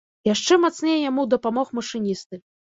Яшчэ мацней яму дапамог машыністы.